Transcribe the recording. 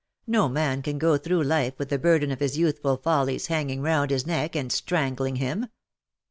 No man can go through life with the burden of his youthful follies hanging round his neck, and strangling him.